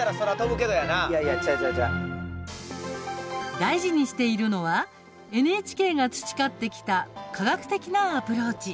大事にしているはＮＨＫが培ってきた科学的なアプローチ。